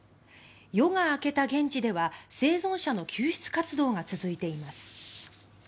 夜が明けた現地では、生存者の救出活動が続いています。